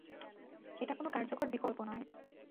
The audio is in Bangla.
এটা কোনো কার্যকর বিকল্প নয়।